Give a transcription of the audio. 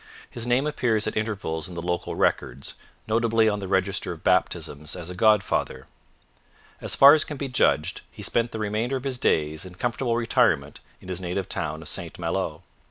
His name appears at intervals in the local records, notably on the register of baptisms as a godfather. As far as can be judged, he spent the remainder of his days in comfortable retirement in his native town of St Malo.